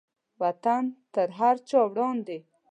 وطن تر هر چا وړاندې دی.